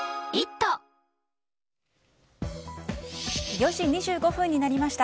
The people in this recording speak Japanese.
４時２５分になりました。